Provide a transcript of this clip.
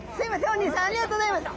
おにいさんありがとうございます。